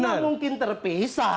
nah mungkin terpisah